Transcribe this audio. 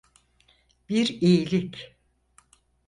Bir iyilik.